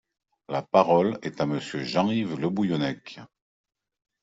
La parole est à Monsieur Jean-Yves Le Bouillonnec.